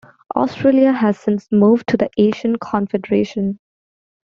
Australia has since moved to the Asian confederation.